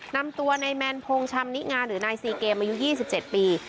นำตัวในแมนพงศ์ชำนิงานหรือนายซีเกมอายุยี่สิบเจ็ดปี